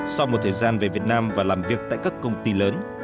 sau một thời gian về việt nam và làm việc tại các công ty lớn